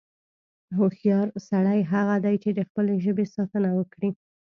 هوښیار سړی هغه دی، چې د خپلې ژبې ساتنه وکړي.